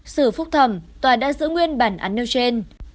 xử phúc thẩm tòa đã giữ nguyên bản án nêu trên